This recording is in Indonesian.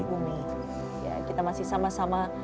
bumi ya kita masih sama sama